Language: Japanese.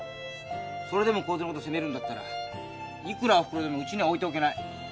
それでもこいつのこと責めるんだったらいくらおふくろでもうちには置いておけない。